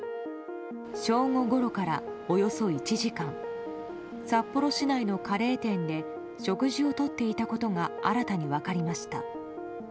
正午ごろから、およそ１時間札幌市内のカレー店で食事をとっていたことが新たに分かりました。